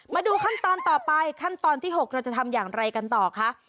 มาดูขั้นตอนต่อไปขั้นตอนที่๖เราจะทำอย่างไรกันต่อคะ